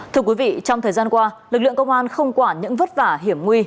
thưa quý vị trong thời gian qua lực lượng công an không quản những vất vả hiểm nguy